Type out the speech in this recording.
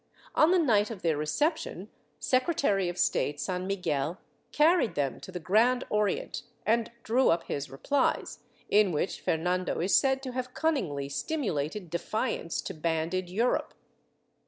On the night of their reception, Secretary of State San Miguel carried them to the Grand Orient and drew up his replies, in which Fer nando is said to have cunningly stimulated defiance to banded Europe.